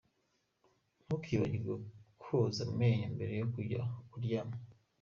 Ntukibagirwe koza amenyo mbere yo kujya kuryama.